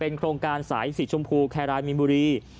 เป็นโครงการสายสีชมพูแคลร์ไลน์มีมูลี